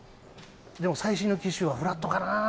でも最新の機種はフラットかな。